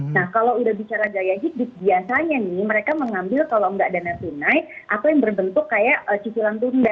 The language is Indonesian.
nah kalau udah bicara gaya hidup biasanya nih mereka mengambil kalau nggak dana tunai atau yang berbentuk kayak cicilan tunda